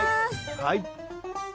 はい。